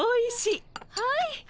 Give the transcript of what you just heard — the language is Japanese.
はい。